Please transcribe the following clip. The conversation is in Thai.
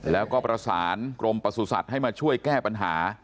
แล้วก็ประสานกรมประสุทธิ์ให้มาช่วยแก้ปัญหา